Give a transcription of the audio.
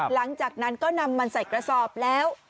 หลังจากนั้นก็นำมันใส่กระสอบแล้ว